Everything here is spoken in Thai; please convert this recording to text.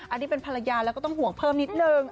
อันนี้เป็นภรรยาแล้วก็ต้องห่วงเพิ่มนิดนึง